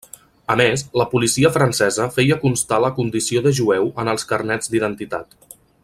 A més, la policia francesa feia constar la condició de jueu en els carnets d'identitat.